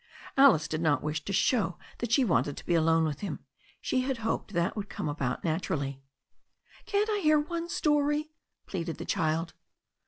Alice did not wish to show that she wanted to be alone with him. She had hoped that would come about natur ally. 'Can't I hear one story?" pleaded the child.